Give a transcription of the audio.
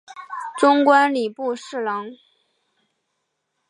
终官礼部侍郎。